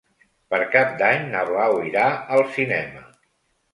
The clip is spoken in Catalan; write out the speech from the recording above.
Per Cap d'Any na Blau irà al cinema.